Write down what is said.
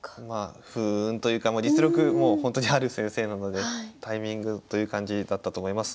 不運というか実力もうほんとにある先生なのでタイミングという感じだったと思います。